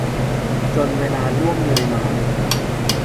จนเวลาล่วงเลยมา